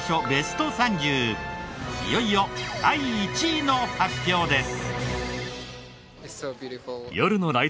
いよいよ第１位の発表です。